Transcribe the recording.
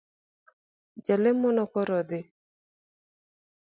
Jalemono koro dhii.